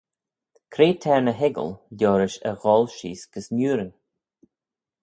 Cre t'er ny hoiggal liorish e gholl sheese gys niurin?